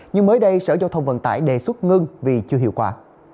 nhưng mới đây sở giao thông vận tải đề xuất ngưng vì chưa hiệu quả